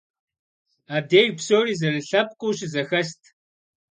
Абдеж псори зэрылъэпкъыу щызэхэст.